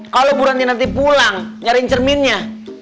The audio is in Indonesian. kalau bu ranti nanti pulang nyariin cerminnya